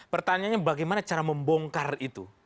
pertanyaannya bagaimana cara membongkar itu